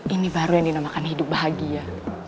ini baru yang dinamakan hidup bahagia